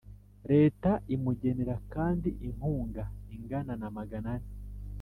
Leta imugenera kandi inkunga ingana na maganane